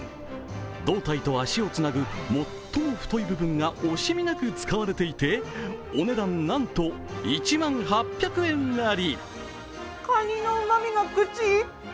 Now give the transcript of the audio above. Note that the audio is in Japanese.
胴体と脚をつなぐ最も太い部分が惜しみなく使われていてお値段なんと１万８００円なり。